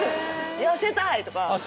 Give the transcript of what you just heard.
痩せたい！とか。